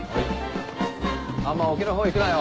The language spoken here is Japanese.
あんま沖のほう行くなよ。